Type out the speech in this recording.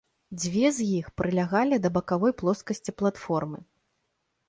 Дзве з іх прылягалі да бакавой плоскасці платформы.